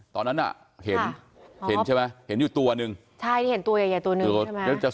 ตอนนั้นเห็นใช่ไหมเห็นอยู่ตัวหนึ่งใช่เห็นตัวใหญ่ตัวหนึ่งใช่ไหม